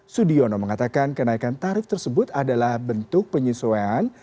sudiono mengatakan kenaikan tarif tersebut adalah bentuk penyesuaian